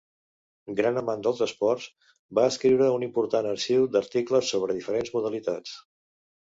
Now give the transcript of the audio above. Gran amant dels esports, va escriure un important arxiu d'articles sobre diferents modalitats.